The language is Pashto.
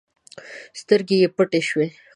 سترګې يې پټې شوې.